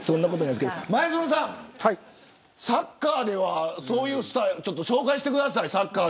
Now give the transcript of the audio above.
前園さん、サッカーではそういうスター紹介してください。